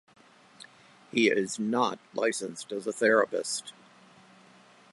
He is not licensed as a therapist.